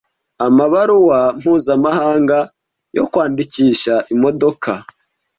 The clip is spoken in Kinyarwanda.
Amabaruwa mpuzamahanga yo kwandikisha imodoka